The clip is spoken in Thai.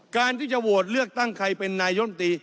การที่จะโหวตเลือกตั้งใครเป็นนายมตรี